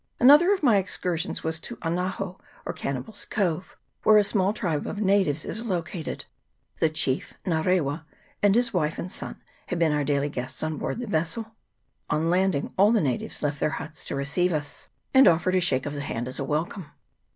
Another of my excursions was to Anaho, or Can nibals' Cove, where a small tribe of natives is located. The chief, Nga rewa, with his wife and son, had been our daily guests on board the vessel. On landing all the natives left their huts to receive us, CHAP, ii.] CANNIBALS' COVE. 31 and offered a shake of the hand as a welcome.